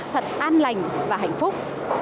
thật an lành và hạnh phúc